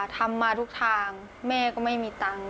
ทำมาทุกทางแม่ก็ไม่มีตังค์